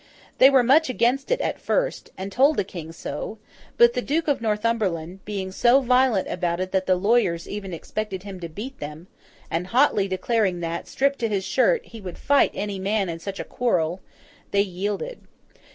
They were much against it at first, and told the King so; but the Duke of Northumberland—being so violent about it that the lawyers even expected him to beat them, and hotly declaring that, stripped to his shirt, he would fight any man in such a quarrel—they yielded.